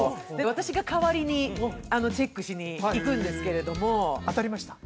私が代わりにチェックしに行くんですけれども当たりました？